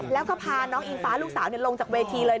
แล้วก็พาน้องอิงฟ้าลูกสาวลงจากเวทีเลย